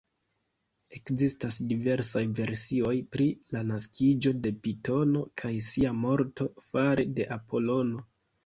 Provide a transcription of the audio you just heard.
Ekzistas diversaj versioj pri la naskiĝo de Pitono kaj sia morto fare de Apolono.